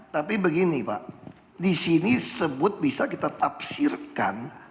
tapi begini pak di sini sebut bisa kita tafsirkan